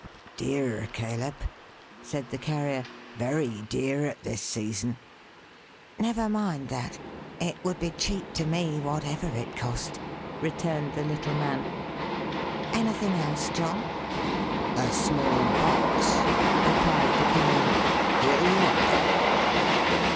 "Dear, Caleb," said the Carrier. "Very dear at this season." "Never mind that. It would be cheap to me, whatever it cost," returned the little man. "Anything else, John?" "A small box," replied the Carrier. "Here you are!"